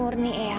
murni untuk kamu